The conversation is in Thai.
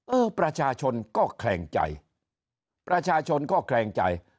เออประชาชนก็แขลงใจประชาชนก็แขลงใจ